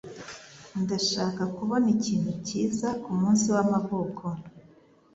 Ndashaka kubona ikintu cyiza kumunsi w'amavuko.